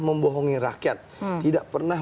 membohongi rakyat tidak pernah